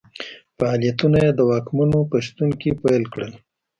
فعالیتونه یې د واکمنو په شتون کې پیل کړل.